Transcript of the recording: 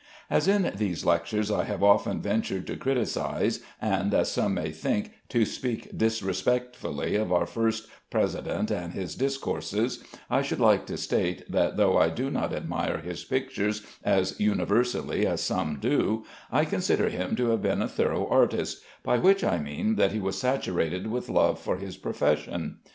As in these lectures I have often ventured to criticise, and, as some may think, to speak disrespectfully of our first President and his discourses, I should like to state that though I do not admire his pictures as universally as some do, I consider him to have been a thorough artist; by which I mean that he was saturated with love for his profession.